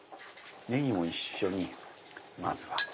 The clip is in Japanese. ネギも一緒にまずは。